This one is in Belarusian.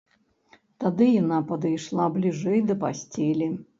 Тады яна падышла бліжэй да пасцелі.